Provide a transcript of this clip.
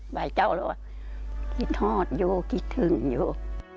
บ่ายเจ้าแล้วคิดฮอดอยู่คิดถึงอยู่